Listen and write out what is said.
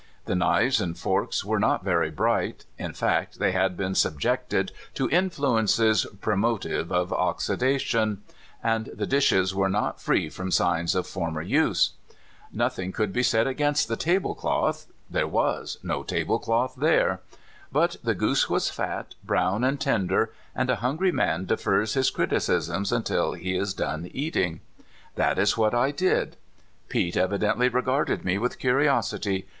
The knives and forks were not very bright — in fact, they had been sub jected to influences promotive of oxidation; and the dishes were not free from signs of former use. Nothing could be said against the tablecloth — there was no tablecloth there. But the goose was fat, brown, and tender; and a hungry man defers his criticisms until he is done eating. That is what I 196 CALIFORNIA SKETCHES. did. Pete evidently regarded me with curiosity.